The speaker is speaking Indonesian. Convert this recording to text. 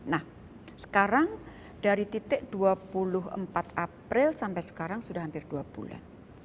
nah sekarang dari titik dua puluh empat april sampai sekarang sudah hampir dua bulan